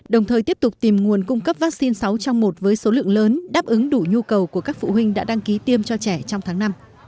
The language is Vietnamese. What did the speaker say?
đồng thời tiếp tục tìm nguồn cung cấp vaccine sáu trong một với số lượng lớn đáp ứng đủ nhu cầu của các phụ huynh đã đăng ký tiêm cho trẻ trong tháng năm